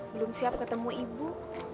belum siap ketemu ibu